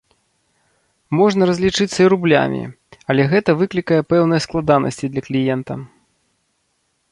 Можна разлічыцца і рублямі, але гэта выклікае пэўныя складанасці для кліента.